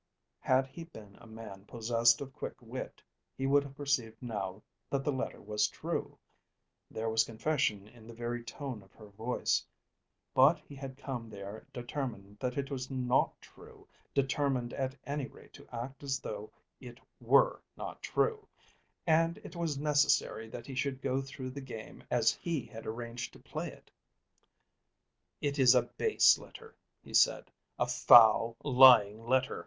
Had he been a man possessed of quick wit, he would have perceived now that the letter was true. There was confession in the very tone of her voice. But he had come there determined that it was not true, determined at any rate to act as though it were not true; and it was necessary that he should go through the game as he had arranged to play it. "It is a base letter," he said. "A foul, lying letter.